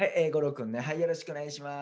君ねはいよろしくお願いします。